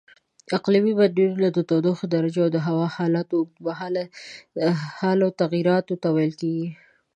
اقلیمي بدلونونه د تودوخې درجې او د هوا حالاتو اوږدمهالو تغییراتو ته ویل کېږي.